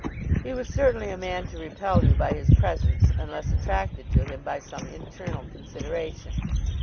He was certainly a man to repel you by his presence unless attracted to him by some internal consideration.